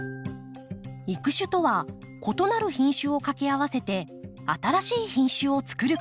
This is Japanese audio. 育種とは異なる品種を掛け合わせて新しい品種をつくること。